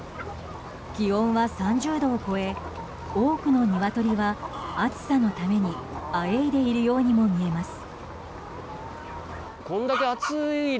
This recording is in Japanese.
気温は３０度を超え多くのニワトリは暑さのためにあえいでいるようにも見えます。